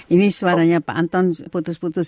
ini suaranya pak anton putus putus